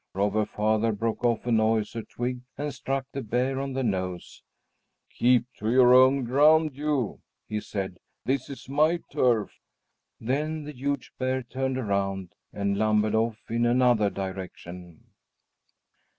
Robber Father broke off an osier twig and struck the bear on the nose. "Keep to your own ground, you!" he said; "this is my turf." Then the huge bear turned around and lumbered off in another direction.